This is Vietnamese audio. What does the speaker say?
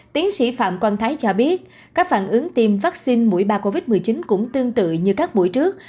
tiến sĩ phạm quang thái cho biết các phản ứng tiêm vaccine mũi ba covid một mươi chín cũng tương tự như các buổi trước